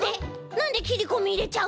なんできりこみいれちゃうの？